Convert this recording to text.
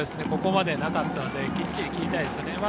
ここまでなかったので、きっちり切りたいですよね。